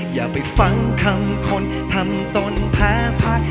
อย่าไปฟังคำคนทำตนแพ้พัก